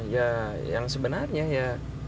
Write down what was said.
ya yang sebenarnya ya